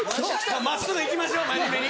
真っすぐ行きましょ真面目に。